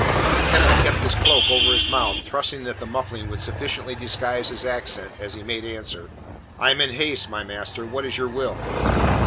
Kenneth kept his cloak over his mouth, trusting that the muffling would sufficiently disguise his accents as he made answer. "I am in haste, my master. What is your will?"